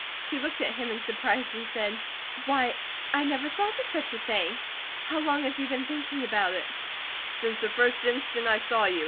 She looked at him in surprise and said: "Why, I never thought of such a thing! How long have you been thinking about it?" "Since the first instant I saw you!"